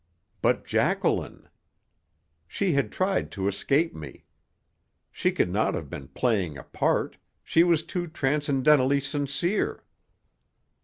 But Jacqueline She had tried to escape me. She could not have been playing a part she was too transcendentally sincere.